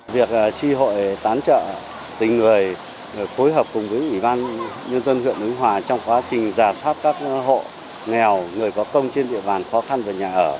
việc tri hội tán trợ tình người phối hợp cùng với ủy ban nhân dân huyện ứng hòa trong quá trình giả soát các hộ nghèo người có công trên địa bàn khó khăn về nhà ở